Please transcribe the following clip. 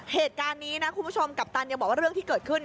เหตุการณ์นี้นะคุณผู้ชมกัปตันยังบอกว่าเรื่องที่เกิดขึ้น